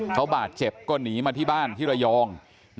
เขาบาดเจ็บก็หนีมาที่บ้านที่ระยอง